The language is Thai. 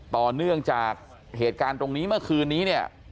ต่อเนื่องจากเหตุการณ์ตรงนี้เมื่อคืนนี้เนี่ย